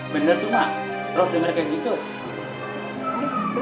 bener tuh mak lo denger kayak gitu